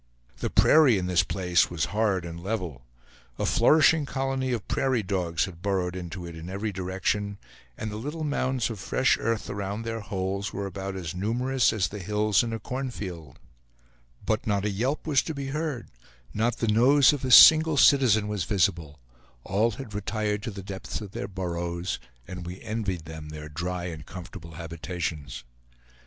The prairie in this place was hard and level. A flourishing colony of prairie dogs had burrowed into it in every direction, and the little mounds of fresh earth around their holes were about as numerous as the hills in a cornfield; but not a yelp was to be heard; not the nose of a single citizen was visible; all had retired to the depths of their burrows, and we envied them their dry and comfortable habitations.